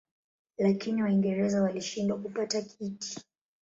Lakini Waingereza walishindwa kupata kiti.